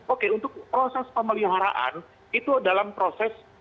oke untuk proses pemeliharaan itu dalam proses